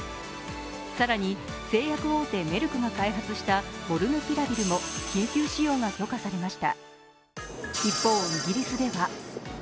更に、製薬大手メルクが開発したモルヌピラビルも緊急使用が許可されました。